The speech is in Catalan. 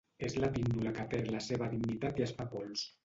És la píndola que perd la seva dignitat i es fa pols.